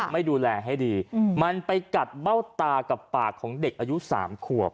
ไม่ดูแลให้ดีมันไปกัดเบ้าตากับปากของเด็กอายุ๓ขวบ